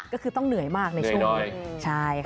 ก็คือต้องเหนื่อยมากในช่วงนี้